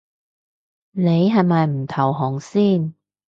你係咪唔投降先